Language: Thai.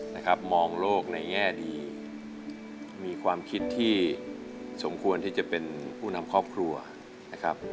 นะครับมองโลกในแง่ดีมีความคิดที่สมควรที่จะเป็นผู้นำครอบครัวนะครับ